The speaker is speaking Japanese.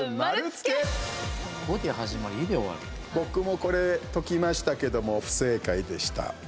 僕も、これ解きましたけども不正解でした。